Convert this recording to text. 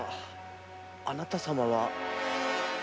あなた様は？